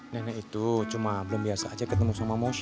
nenek itu cuma belum biasa aja ketemu sama mas